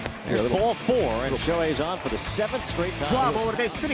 フォアボールで出塁。